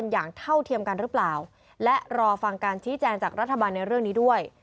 เท่าเทียมกันหรือเปล่าและรอฟังการชี้แจงจากรัฐบาลในเรื่องนี้ด้วย